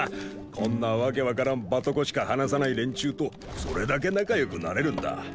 こんな訳分からんバトコしか話さない連中とそれだけ仲良くなれるんだ。